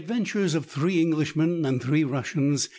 — [Page 74.] THREE ENGLISHMEN AND THREE RUSSIANS.